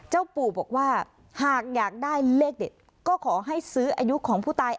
ปู่บอกว่าหากอยากได้เลขเด็ดก็ขอให้ซื้ออายุของผู้ตาย